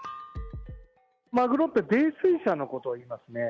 まぐろって、泥酔者のことをいいますね。